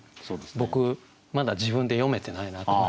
僕まだ自分で詠めてないなと。